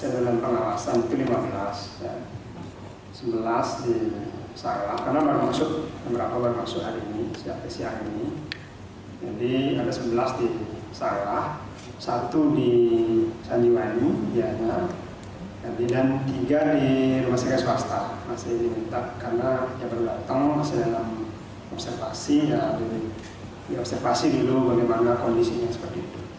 di rumah sakit swasta masih mentak karena dia baru datang masih dalam observasi ya di observasi dulu bagaimana kondisinya seperti itu